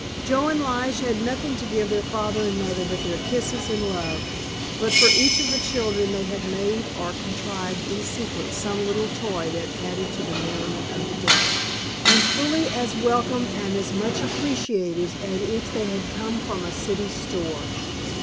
Joe and Lige had nothing to give their father and mother but their kisses and love, but for each of the children they had made or contrived in secret some little toy that added to the merriment of the day, and fully as welcome and as much appreciated as if they had come from a city store.